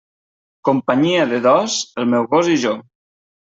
Companyia de dos, el meu gos i jo.